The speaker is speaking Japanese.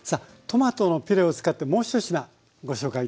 トマトのピュレを使ってもう１品ご紹介頂きます。